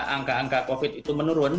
angka angka covid itu menurun